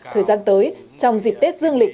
thời gian tới trong dịp tết dương lịch